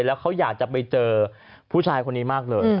แล้วเขาอยากจะไปเจอผู้ชายคนนี้มากเลย